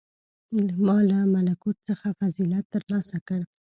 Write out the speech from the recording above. • ما له ملکوت څخه فضیلت تر لاسه کړ.